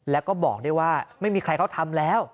แล้วก็บอกได้ว่าไม่มีใครเขาทำแล้ว